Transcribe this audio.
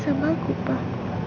sambah aku pak